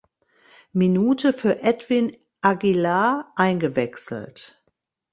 Minute für Edwin Aguilar eingewechselt.